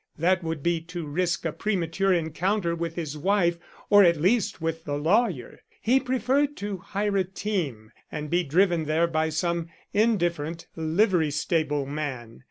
That would be to risk a premature encounter with his wife, or at least with the lawyer. He preferred to hire a team, and be driven there by some indifferent livery stable man.